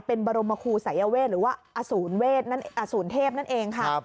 เป็นบรมครูสายเวศหรือว่าอสูรเทพนั่นเองค่ะ